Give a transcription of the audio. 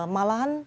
malahan bulan depan